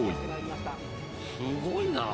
すごいな。